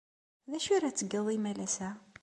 D acu ara tgeḍ imalas-a?